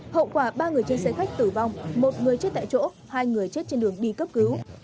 hậu quả ba người trên xe khách tử vong một người chết tại chỗ hai người chết trên đường đi cấp cứu